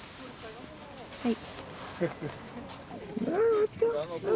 はい。